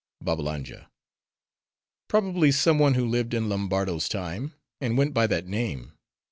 BABBALANJA—Probably some one who lived in Lombardo's time, and went by that name.